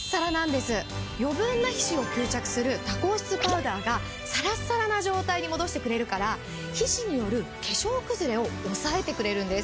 余分な皮脂を吸着する多孔質パウダーがサラッサラな状態に戻してくれるから皮脂による化粧崩れを抑えてくれるんです。